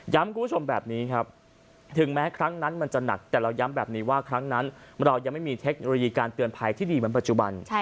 คุณผู้ชมแบบนี้ครับถึงแม้ครั้งนั้นมันจะหนักแต่เราย้ำแบบนี้ว่าครั้งนั้นเรายังไม่มีเทคโนโลยีการเตือนภัยที่ดีเหมือนปัจจุบัน